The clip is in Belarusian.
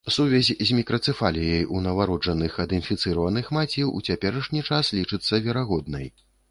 Сувязь з мікрацэфаліяй ў нованароджаных ад інфіцыраваных маці ў цяперашні час лічыцца верагоднай.